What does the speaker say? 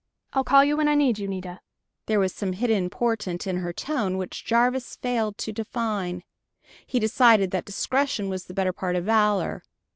"I'll call you when I need you, Nita." There was some hidden portent in her tone which Jarvis failed to divine. He decided that discretion was the better part of valor.